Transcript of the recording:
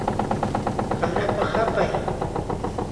Hanapa hapay.